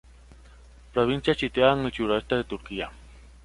Provincia situada en el sureste de Turquía.